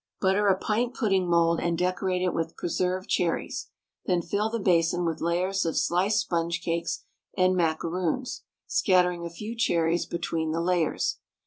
Butter a pint pudding mould and decorate it with preserved cherries, then fill the basin with layers of sliced sponge cakes and macaroons, scattering a few cherries between the layers.